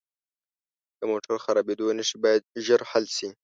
د موټر خرابیدو نښې باید ژر حل شي.